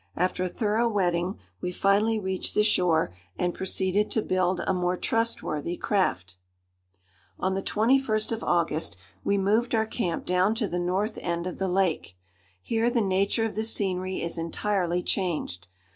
After a thorough wetting we finally reached the shore, and proceeded to build a more trustworthy craft. On the 21st of August we moved our camp down to the north end of the lake. Here the nature of the scenery is entirely changed.